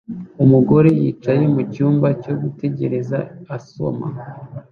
Umugore yicaye mucyumba cyo gutegereza asoma